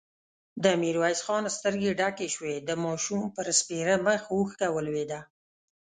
د ميرويس خان سترګې ډکې شوې، د ماشوم پر سپېره مخ اوښکه ولوېده.